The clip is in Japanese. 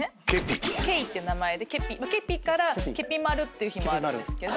ケイって名前でケピまあケピからケピマルっていう日もあるんですけど。